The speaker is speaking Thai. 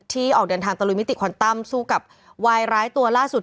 ออกเดินทางตะลุยมิติคอนตัมสู้กับวายร้ายตัวล่าสุด